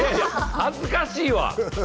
恥ずかしいわ！